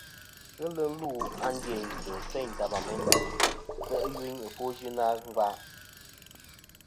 Ghelɨ ni-a lu a ndiynsɨ̀ teyn ta Bamenda se' i yuyn i ɨfwo yɨnɨ a ngva.